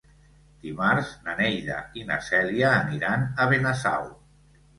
Dimarts na Neida i na Cèlia aniran a Benasau.